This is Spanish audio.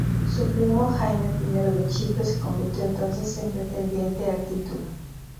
Su primo Jaime I de Chipre se convirtió entonces en pretendiente al título.